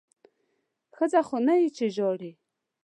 ښځه خو نه یې چې ژاړې!